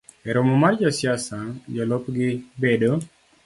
E romo mag josiasa, jolupgi bedo